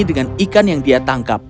dengan ikan yang dia tangkap